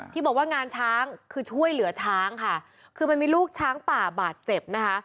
ที่บอกว่างานช้างคือช่วยเหลือช้างค่ะคือมันมีลูกช้างป่าบาดเจ็บนะคะ